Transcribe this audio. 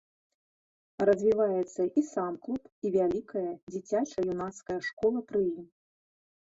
Развіваецца і сам клуб, і вялікая дзіцяча-юнацкая школа пры ім.